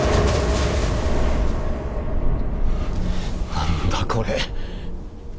何だこれ！？